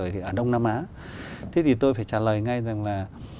thế thì tôi phải trả lời ngay rằng là